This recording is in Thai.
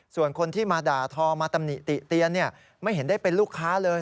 ส่วนคนที่มาด่าทอมาตำหนิติเตียนไม่เห็นได้เป็นลูกค้าเลย